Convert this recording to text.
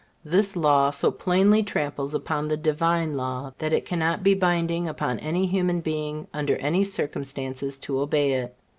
This law so plainly tramples upon the divine law, that it cannot be binding upon any human being under any circumstances to obey it.